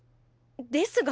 ですが。